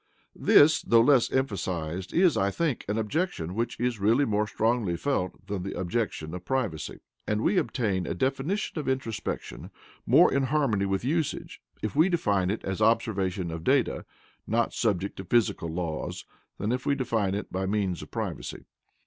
This, though less emphasized, is, I think, an objection which is really more strongly felt than the objection of privacy. And we obtain a definition of introspection more in harmony with usage if we define it as observation of data not subject to physical laws than if we define it by means of privacy.